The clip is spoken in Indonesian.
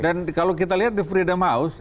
dan kalau kita lihat di freedom house